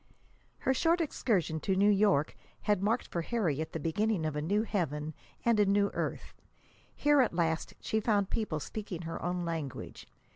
Her short excursion to New York had marked for Harriet the beginning of a new heaven and a new earth. Here, at last, she found people speaking her own language.